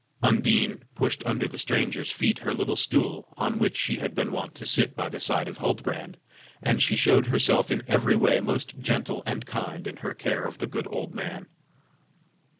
Undine pushed under the stranger's feet her little stool, on which she had been wont to sit by the side of Huldbrand, and she showed herself in every way most gentle and kind in her care of the good old man.